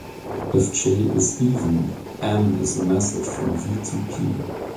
If "j" is even, "m" is a message from "V" to "P".